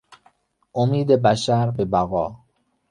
امید بشر به بقا